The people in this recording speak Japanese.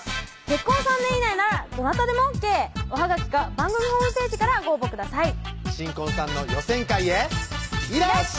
結婚３年以内ならどなたでもＯＫおはがきか番組ホームページからご応募ください